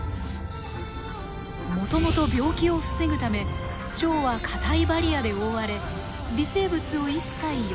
もともと病気を防ぐため腸は硬いバリアで覆われ微生物を一切寄せつけませんでした。